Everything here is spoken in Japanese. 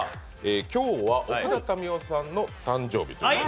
今日は奥田民生さんの誕生日ということで。